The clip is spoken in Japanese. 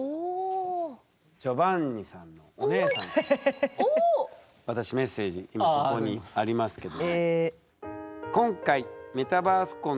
ジョバンニさんのお姉さんから私メッセージここにありますけど。